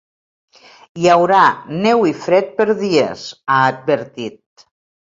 “Hi haurà neu i fred per dies”, ha advertit.